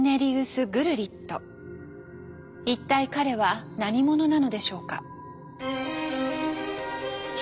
一体彼は何者なのでしょうか？